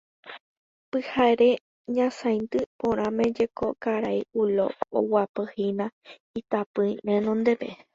Pyhare ñasaindy porãme jeko karai Ulo oguapyhína itapỹi renondépe.